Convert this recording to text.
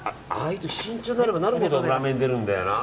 慎重になればなるほど裏目に出るんだよな。